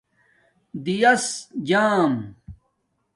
دِیݳس جݳم